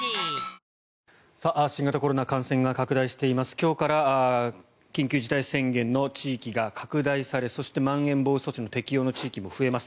今日から緊急事態宣言の地域が拡大されそして、まん延防止措置の適用地域も増えます。